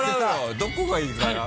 どこがいいかな？